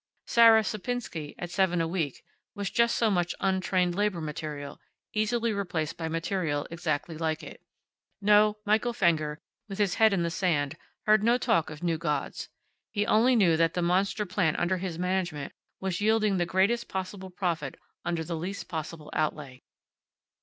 Sarah Sapinsky, at seven a week, was just so much untrained labor material, easily replaced by material exactly like it. No, Michael Fenger, with his head in the sand, heard no talk of new gods. He only knew that the monster plant under his management was yielding the greatest possible profit under the least possible outlay.